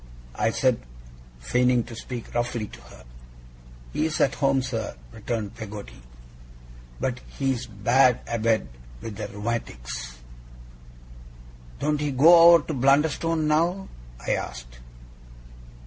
I said, feigning to speak roughly to her. 'He's at home, sir,' returned Peggotty, 'but he's bad abed with the rheumatics.' 'Don't he go over to Blunderstone now?' I asked.